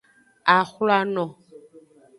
Axwlano.